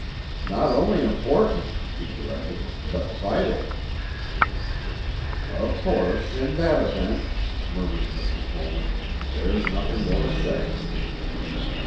"Not only important," he corrected, "but vital." "Of course, in that event," murmured Mr. Tollman, "there is nothing more to say."